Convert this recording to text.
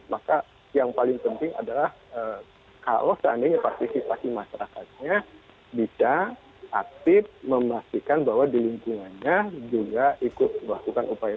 maka yang paling penting adalah kalau seandainya partisipasi masyarakatnya bisa aktif memastikan bahwa di lingkungannya juga ikut melakukan upaya